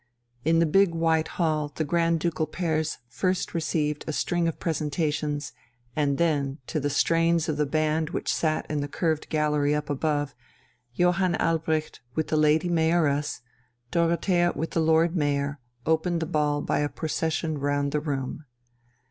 In the big white hall the Grand Ducal pairs first received a string of presentations, and then, to the strains of the band which sat in the curved gallery up above, Johann Albrecht with the Lady Mayoress, Dorothea with the Lord Mayor, opened the ball by a procession round the room.